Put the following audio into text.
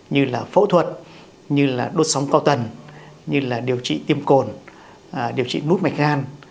như là phẫu thuật như là đốt sóng cao tần như là điều trị tiêm cồn điều trị nút mạch gan